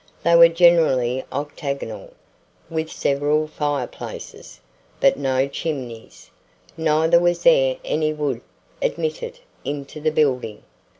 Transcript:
They were generally octagonal, with several fireplaces, but no chimneys; neither was there any wood admitted into the building.